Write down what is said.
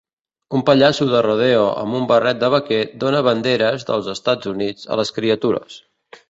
Un pallasso de rodeo amb un barret de vaquer dona banderes dels Estats Units a les criatures.